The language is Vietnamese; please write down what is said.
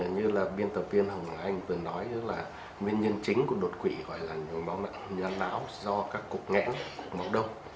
như là biên tập viên hồng anh vừa nói là nguyên nhân chính của đột quỵ gọi là nhồi máu não do các cục ngẽn cục máu đông